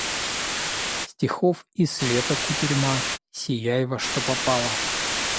Стихов и света кутерьма — сияй во что попало!